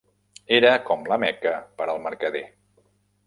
era com la Mecca per al mercader.